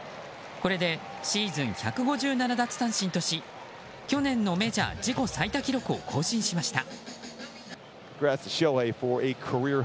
これでシーズン１５７奪三振とし去年のメジャー自己最多記録を更新しました。